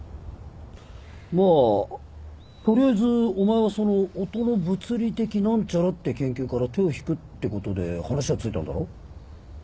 まあ取りあえずお前はその音の物理的何ちゃらって研究から手を引くってことで話はついたんだろ？